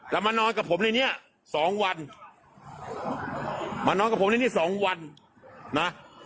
แล้วมานอนกับผมในนี้๒วัน